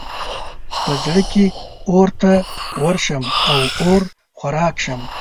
په زړه کې اور ته ورشم او اور خوراک شم.